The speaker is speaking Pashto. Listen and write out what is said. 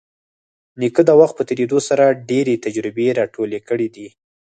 نیکه د وخت په تېرېدو سره ډېرې تجربې راټولې کړي دي.